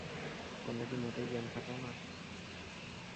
তোমরা কি মোটেই জ্ঞান খাটাও না?